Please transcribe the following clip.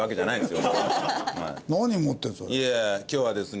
今日はですね